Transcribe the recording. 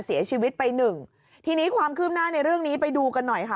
เสียชีวิตไปหนึ่งทีนี้ความคืบหน้าในเรื่องนี้ไปดูกันหน่อยค่ะ